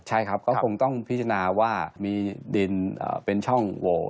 ใช่ครับก็คงต้องพิจารณาว่ามีดินเป็นช่องโหว